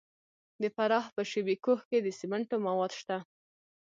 د فراه په شیب کوه کې د سمنټو مواد شته.